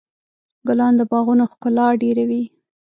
ګلان د باغونو ښکلا ډېروي.